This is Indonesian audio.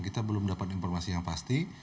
kita belum dapat informasi yang pasti